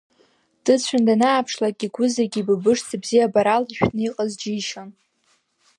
Дыцәан данааԥшлак, игәы зегьы ибыбышӡа бзиабарала ишәҭны иҟаз џьишьон…